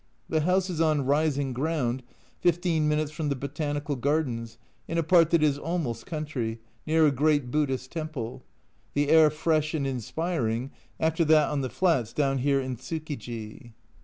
The house is on rising ground, fifteen minutes from the Botanical Gardens, in a part that is almost country, near a great Buddhist Temple ; the air fresh and inspiring after that on the flats down here in Tsukiji.